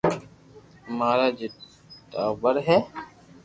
امارآ ڇي ٽاٻر ھي